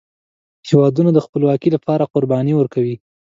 هیوادونه د خپلواکۍ لپاره قربانۍ ورکوي.